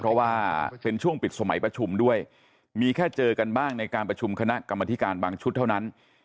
เพราะว่าเป็นช่วงปิดสมัยประชุมด้วยมีแค่เจอกันบ้างในการประชุมคณะกรรมธิการบางชุดเท่านั้น